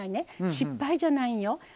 失敗じゃないんよ。